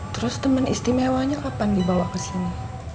terus temen istimewanya kapan dibawa kesini